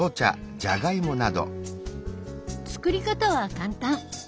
作り方は簡単！